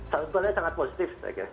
sebenarnya sangat positif